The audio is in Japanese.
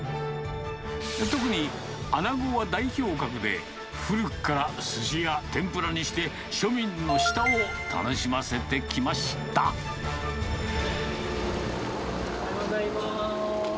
特にあなごは代表格で、古くからすしや天ぷらにして、庶民の舌をおはようございます。